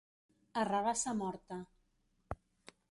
A rabassa morta.